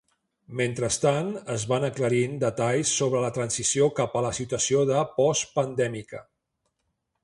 Mentrestant, es van aclarint detalls sobre la transició cap a la situació de postpandèmica.